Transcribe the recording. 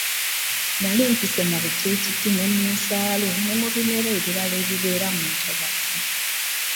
Nali mpise mu bitiititi ne mu ssaalu ne mu bimera ebirala ebibeera mu ntobazzi.